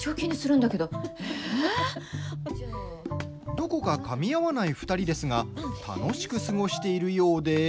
どこか、かみ合わない２人ですが楽しく過ごしているようで。